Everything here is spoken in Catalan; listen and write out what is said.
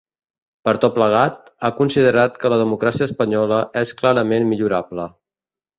Per tot plegat, ha considerat que la democràcia espanyola és “clarament millorable”.